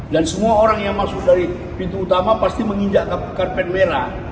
dan semua orang yang masuk dari pintu utama pasti menginjak karpet merah